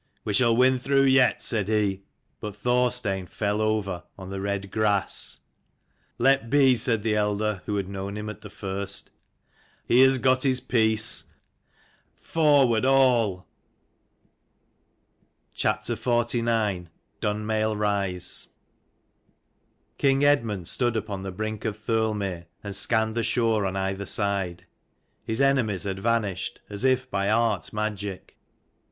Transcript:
" We shall win through yet," said he. But Thorstein fell over on the red grass. " Let be," said the elder who had known him at the first. "He has got his peace. Forward all!" ING Eadmund stood upon the brink of Thirlmere, and scanned the shore on either side. His enemies had vanished as if by art magic.